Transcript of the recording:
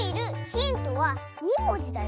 ヒントは２もじだよ。